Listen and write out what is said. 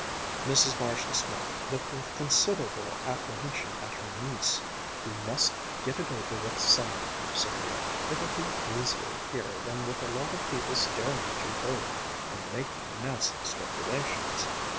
Mrs. Marshall Smith looked with considerable apprehension at her niece. "You must get it over with some time, Sylvia. It'll be easier here than with a lot of people staring at you both, and making nasty speculations."